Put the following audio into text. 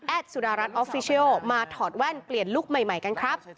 สุดารัฐออฟฟิเชียลมาถอดแว่นเปลี่ยนลุคใหม่กันครับ